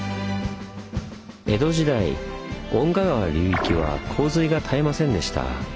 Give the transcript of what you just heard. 江戸時代遠賀川流域は洪水が絶えませんでした。